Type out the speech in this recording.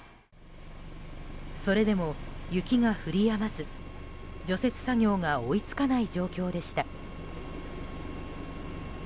それでも雪が降りやまず除雪作業が追い付かない状況でした。